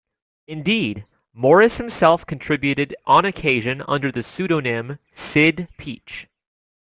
Indeed, Morris himself contributed on occasion, under the pseudonym 'Sid Peach'.